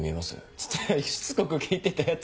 っつってしつこく聞いてたやつ。